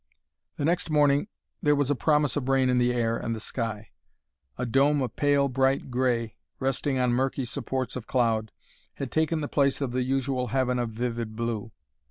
The next morning there was a promise of rain in the air and the sky. A dome of pale, bright gray, resting on murky supports of cloud, had taken the place of the usual heaven of vivid blue.